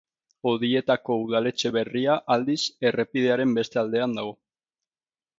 Odietako udaletxe berria, aldiz, errepidearen beste aldean dago.